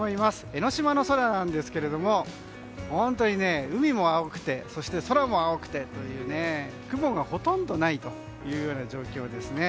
江の島の空なんですけども海も青くて、空も青くてという雲がほとんどないというような状況ですね。